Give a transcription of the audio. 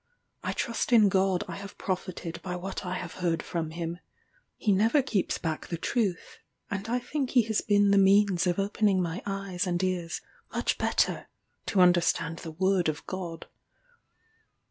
I trust in God I have profited by what I have heard from him. He never keeps back the truth, and I think he has been the means of opening my eyes and ears much better to understand the word of God.